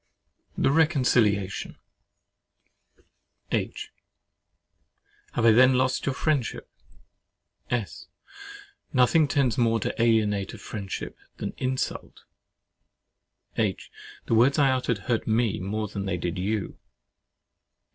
THE RECONCILIATION H. I have then lost your friendship? S. Nothing tends more to alienate friendship than insult. H. The words I uttered hurt me more than they did you.